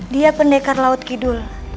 dia pendekar laut kidul